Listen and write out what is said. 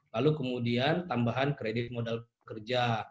lalu kemudian tambahan kredit modal kerja